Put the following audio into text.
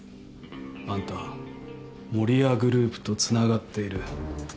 あんた守谷グループとつながっている。